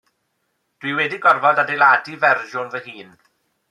Dw i wedi gorfod adeiladu fersiwn fy hun.